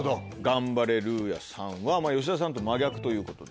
ガンバレルーヤさんは吉田さんと真逆ということで。